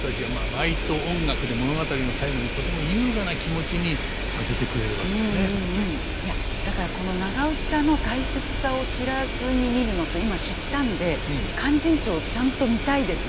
めちゃめちゃ見ている人たちはいやだからこの長唄の大切さを知らずに見るのと今知ったんで「勧進帳」ちゃんと見たいですね。